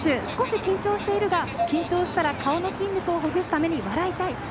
少し緊張しているが、緊張したら顔の筋肉をほぐすために笑いたい。